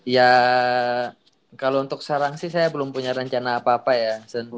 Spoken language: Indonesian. ya kalo untuk sarang sih saya belum punya rencana apa apa ya